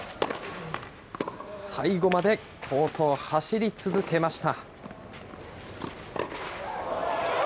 最後までコートを走り続けました。